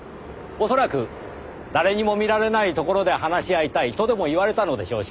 恐らく誰にも見られないところで話し合いたいとでも言われたのでしょう。